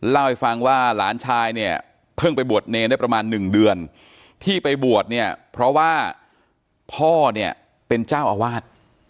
เล่าให้ฟังว่าหลานชายเนี่ยเพิ่งไปบวชเนรได้ประมาณหนึ่งเดือนที่ไปบวชเนี่ยเพราะว่าพ่อเนี่ยเป็นเจ้าอาวาส